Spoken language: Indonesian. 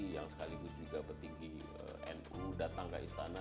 yang sekaligus juga petinggi nu datang ke istana